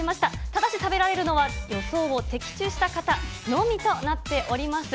ただし食べられるのは、予想を的中した方のみとなっております。